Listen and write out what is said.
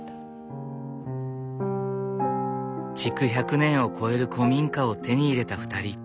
築１００年を超える古民家を手に入れた２人。